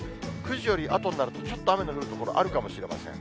９時よりあとになると、ちょっと雨の降る所、あるかもしれません。